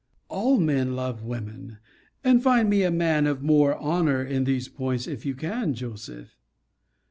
All men love women and find me a man of more honour, in these points, if you can, Joseph.